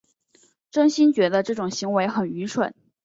真心觉得这种行为很愚蠢